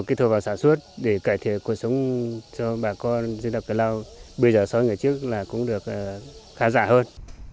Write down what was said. kỹ thuật vào sản xuất để cải thiện cuộc sống cho bà con dân tộc cờ lao bây giờ so với ngày trước là cũng được khá giả hơn